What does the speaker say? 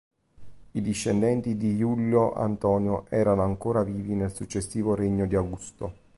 Discendenti di Iullo Antonio erano ancora vivi nel successivo regno di Augusto.